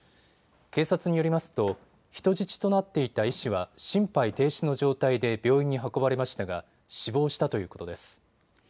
警察によりますと人質となっていた医師は心肺停止の状態で病院に運ばれましたが死亡したということです。